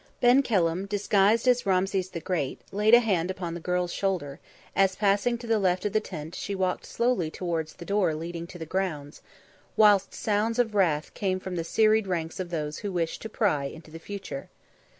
Ben Kelham, disguised as Rameses the Great, laid a hand upon the girl's shoulder as, passing to the left of the tent, she walked slowly towards the door leading to the grounds, whilst sounds of wrath came from the serried ranks of those who wished to pry into the future.